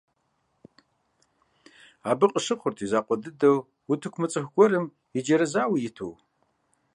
Абы къыщыхъурт и закъуэ дыдэу утыку мыцӀыху гуэрым иджэрэзауэ иту.